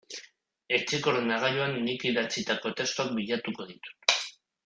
Etxeko ordenagailuan nik idatzitako testuak bilatuko ditut.